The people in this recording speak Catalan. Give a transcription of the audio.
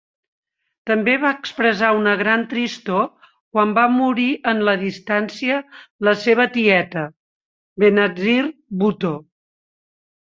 També va expressar una gran tristor quan va morir en la distància la seva tieta, Benazir Bhutto.